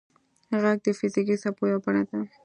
• ږغ د فزیکي څپو یوه بڼه ده.